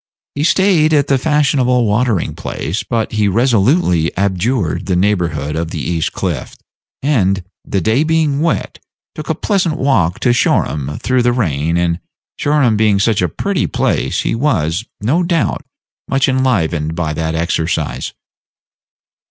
He staid at the fashionable watering place; but he resolutely abjured the neighborhood of the East Cliff, and, the day being wet, took a pleasant walk to Shoreham through the rain; and Shoreham being such a pretty place, he was, no doubt, much enlivened by that exercise.